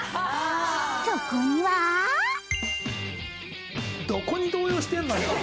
そこにはどこに動揺してんのよ